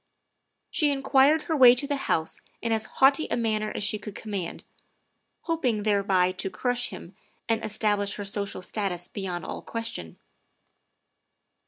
She inquired her way to the House in as haughty a manner as she could command, hoping thereby to crush him and establish her social status beyond all question.